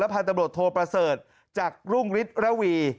พันธบรวจโทประเสริฐจากรุ่งฤทธิระวี